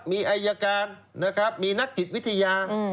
มีอัยการมีนักจิตวิทยา